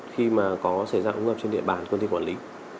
khi mà có xảy ra ứng ngập trên địa bàn của công ty quản lý